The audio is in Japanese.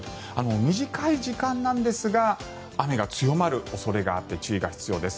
短い時間ですが雨が強まる恐れがあって注意が必要です。